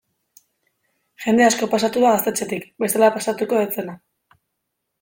Jende asko pasatu da gaztetxetik bestela pasatuko ez zena.